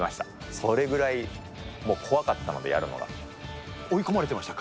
それくらいもう怖かったので、追い込まれてましたか？